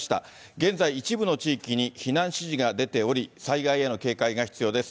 現在、一部の地域に避難指示が出ており、災害への警戒が必要です。